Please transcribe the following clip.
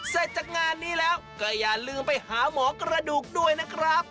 เสร็จจากงานนี้แล้วก็อย่าลืมไปหาหมอกระดูกด้วยนะครับ